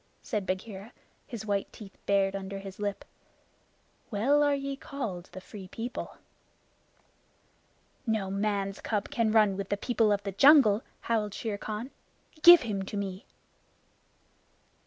said Bagheera, his white teeth bared under his lip. "Well are ye called the Free People!" "No man's cub can run with the people of the jungle," howled Shere Khan. "Give him to me!"